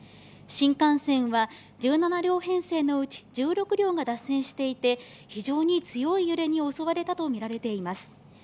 新幹線は１７両編成のうち１６両が脱線していて非常に強い揺れに襲われたとみられています。